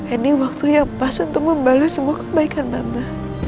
ini waktu yang pas untuk membalas semua kebaikan mama